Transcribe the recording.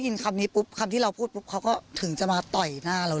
คำนี้ปุ๊บคำที่เราพูดปุ๊บเขาก็ถึงจะมาต่อยหน้าเรา